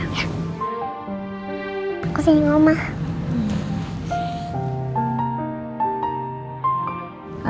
aku senyum oma